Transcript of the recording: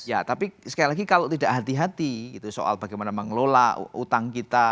ya tapi sekali lagi kalau tidak hati hati gitu soal bagaimana mengelola utang kita